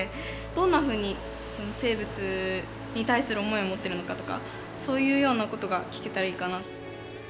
どんなふうに生物に対する思いを持ってるのかとかそういうような事が聞けたらいいかなって。